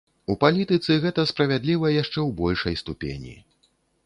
У палітыцы гэта справядліва яшчэ ў большай ступені.